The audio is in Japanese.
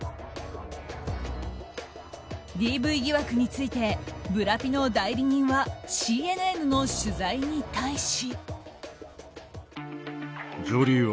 ＤＶ疑惑についてブラピの代理人はＣＮＮの取材に対し。